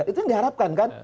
itu yang diharapkan kan